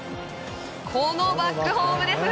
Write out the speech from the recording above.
このバックホームです